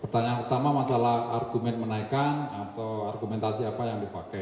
pertanyaan utama masalah argumen menaikkan atau argumentasi apa yang dipakai